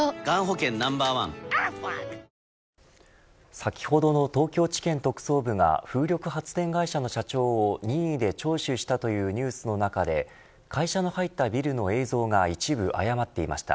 先ほどの東京地検特捜部が風力発電会社の社長を任意で聴取したというニュースの中で会社の入ったビルの映像が一部誤っていました。